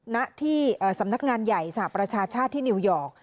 ณที่สำนักงานใหญ่สหประชาชาติที่นิวยอร์ก